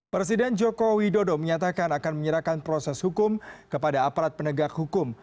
presiden joko widodo menyatakan akan menyerahkan proses hukum kepada aparat penegak hukum